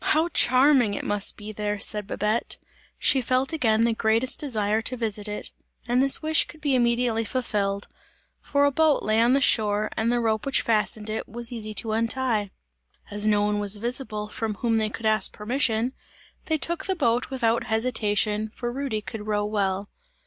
"How charming it must be there!" said Babette; she felt again the greatest desire to visit it, and this wish could be immediately fulfilled; for a boat lay on the shore and the rope which fastened it, was easy to untie. As no one was visible, from whom they could ask permission, they took the boat without hesitation, for Rudy could row well.